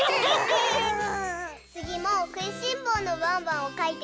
つぎもくいしんぼうのワンワンをかいてくれたよ。